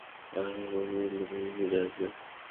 আগ্রহী প্রাণগুলো তাকে ঘিরে আছে।